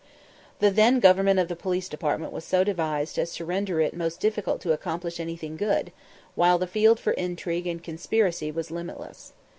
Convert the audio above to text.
The then government of the Police Department was so devised as to render it most difficult to accomplish anything good, while the field for intrigue and conspiracy was limitless.